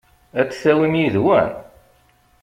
Ad t-tawim yid-wen?